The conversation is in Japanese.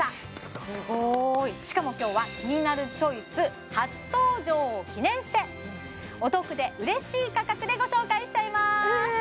すごいしかも今日は「キニナルチョイス」初登場を記念してお得で嬉しい価格でご紹介しちゃいますえ